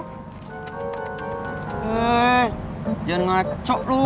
hei jangan maco lo